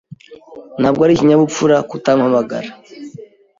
Ntabwo ari ikinyabupfura kutampamagara.